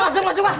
masuk masuk pak